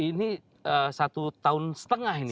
ini satu tahun setengah ini